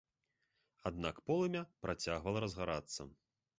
Аднак полымя працягвала разгарацца.